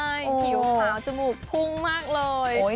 ใช่ผิวขาวจมูกพุ่งมากเลย